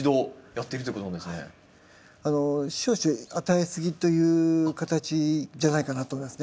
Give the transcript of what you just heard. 少々与えすぎという形じゃないかなと思いますね。